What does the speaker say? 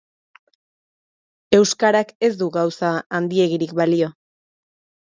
Euskarak ez du gauza handiegirik balio.